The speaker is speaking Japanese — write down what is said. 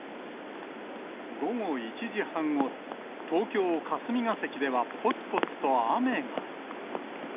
午後１時半ごろ、東京・霞が関ではぽつぽつと雨が。